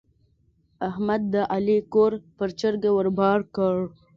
احمد د علي کور پر چرګه ور بار کړ.